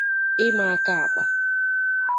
ịma aka àkpa